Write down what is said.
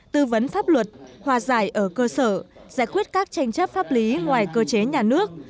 tư vấn pháp luật hòa giải ở cơ sở giải quyết các tranh chấp pháp lý ngoài cơ chế nhà nước